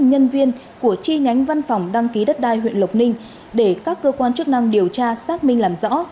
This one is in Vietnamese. nhân viên của chi nhánh văn phòng đăng ký đất đai huyện lộc ninh để các cơ quan chức năng điều tra xác minh làm rõ